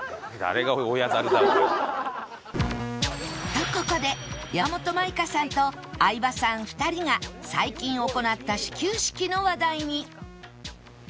とここで山本舞香さんと相葉さん２人が最近行った始球式の話題に